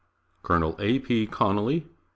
Colonel A. P. Connolly 1857.